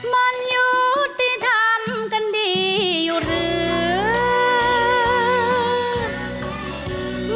มันอยู่ที่ทำกันดีอยู่หรือร้าย